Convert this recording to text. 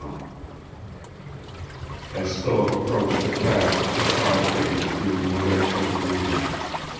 XXI As Philip approached the cabin he saw a figure stealing away through the gloom.